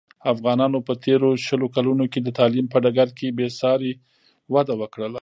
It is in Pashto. افغانانو په تېرو شلو کلونوکې د تعلیم په ډګر کې بې ساري وده وکړله.